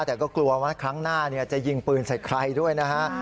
แต่ก็กลัวว่าครั้งหน้าจะยิงปืนใส่ใครด้วยนะฮะ